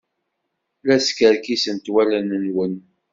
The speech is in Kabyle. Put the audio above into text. La skerkisent wallen-nwen.